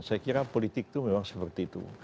saya kira politik itu memang seperti itu